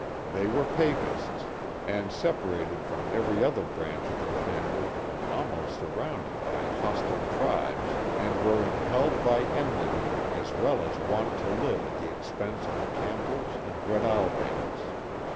They were Papists and separated fiom every other branch of their family and almost surrounded by hostile tribes and were impelled by enmity as well as want to live at the expense of the Campbells and Breadalbanes.